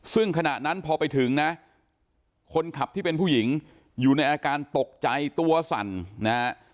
ซึ่งขณะนั้นพอไปถึงนะคนขับที่เป็นผู้หญิงอยู่ในอาการตกใจตัวสั่นนะฮะ